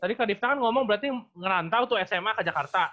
tadi kak difta kan ngomong berarti ngerantau tuh sma ke jakarta